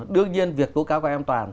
đương nhiên việc của các em toàn